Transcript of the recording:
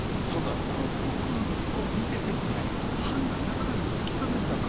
刻々見てても、判断なかなかつきかねるんですよね。